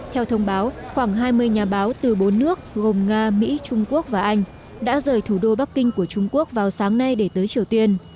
theo thông báo khoảng hai mươi nhà báo từ bốn nước gồm nga mỹ trung quốc và anh đã rời thủ đô bắc kinh của trung quốc vào sáng nay để tới triều tiên